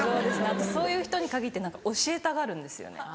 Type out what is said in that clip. あとそういう人に限って何か教えたがるんですよね。